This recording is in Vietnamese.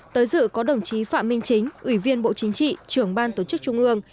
tới dự có đồng chí phạm minh chính ủy viên bộ chính trị trưởng ban tổ chức trung ương